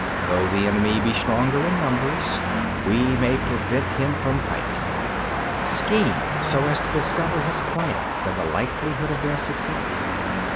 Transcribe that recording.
Though the enemy be stronger in numbers, we may prevent him from fighting. Scheme so as to discover his plans and the likelihood of their success.